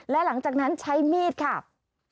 และหลังจากนั้นใช้มีดค่ะ